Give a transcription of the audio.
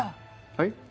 はい？